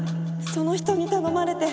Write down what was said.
その人に頼まれて。